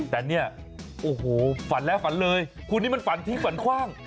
แต่เนี่ยโอ้โหฝันแล้วฝันเลยคุณนี่มันฝันทิ้งฝันคว่าง